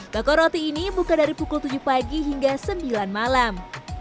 toko roti ini buka dari pukul tujuh pagi hingga sembilan malam